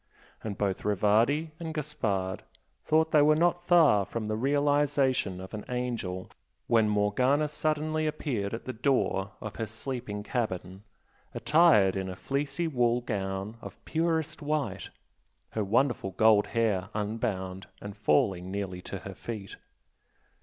And both Rivardi and Gaspard thought they were not far from the realisation of an angel when Morgana suddenly appeared at the door of her sleeping cabin, attired in a fleecy wool gown of purest white, her wonderful gold hair unbound and falling nearly to her feet.